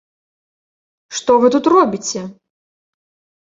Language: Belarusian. Што вы тут робіце?